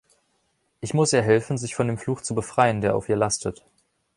Ich muss ihr helfen, sich von dem Fluch zu befreien, der auf ihr lastet.